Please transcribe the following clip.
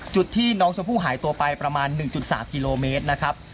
จุดที่น้องชมพู่หายตัวไปประมาณหนึ่งจุดสามกิโลเมตรนะครับ